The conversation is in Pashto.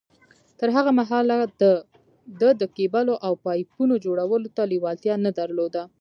تر هغه مهاله ده د کېبلو او پايپونو جوړولو ته لېوالتيا نه درلوده.